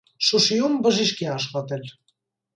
Շուշիում բժիշկ է աշխատել։